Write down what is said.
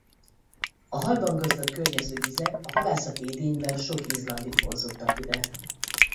A halban gazdag környező vizek a halászati idényben sok izlandit vonzottak ide.